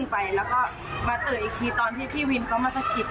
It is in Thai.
ใช้งานไม่ได้เลยต้องซ่อม